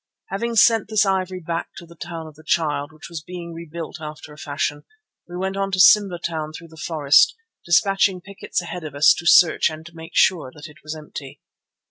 Having sent this ivory back to the Town of the Child, which was being rebuilt after a fashion, we went on to Simba Town through the forest, dispatching pickets ahead of us to search and make sure that it was empty.